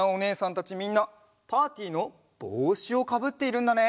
たちみんなパーティーのぼうしをかぶっているんだね！